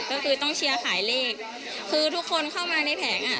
ก็คือต้องเชียร์ขายเลขคือทุกคนเข้ามาในแผงอ่ะ